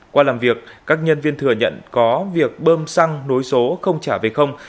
qua làm việc các nhân viên thừa nhận có việc bơm xăng nối số không trả về không